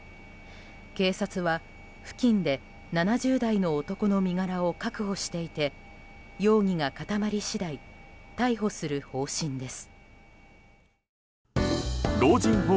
警察は付近で７０代の男の身柄を確保していて容疑が固まり次第逮捕する方針です。